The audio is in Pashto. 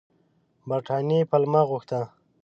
برټانیې پلمه غوښته.